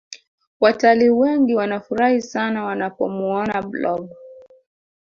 Wataliii wengi wanafurahi sana wanapomuona blob